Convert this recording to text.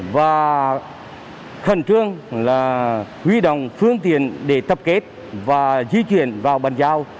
và khẩn trương là huy động phương tiện để tập kết và di chuyển vào bàn giao